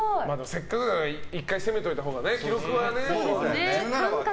せっかくだから１回、攻めておいたほうがね。